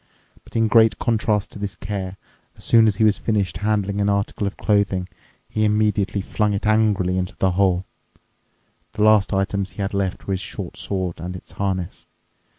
But in great contrast to this care, as soon he was finished handling an article of clothing, he immediately flung it angrily into the hole. The last items he had left were his short sword and its harness.